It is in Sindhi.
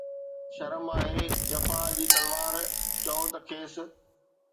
شرم آهي جفا جي تلوار، چؤ ته کيس